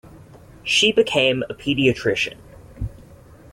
She became a pediatrician.